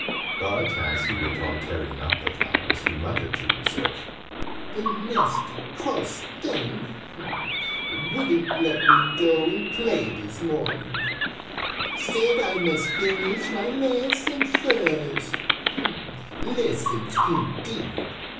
But, as he went on tearing up the flowers, he muttered to himself "The nasty cross thing wouldn't let me go and play this morning, said I must finish my lessons first lessons, indeed!